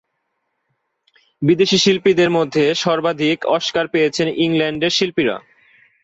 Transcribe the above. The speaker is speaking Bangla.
বিদেশী শিল্পীদের মধ্যে সর্বাধিক অস্কার পেয়েছেন ইংল্যান্ডের শিল্পীরা।